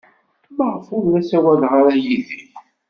Maɣef ur la ssawalen ara yid-i?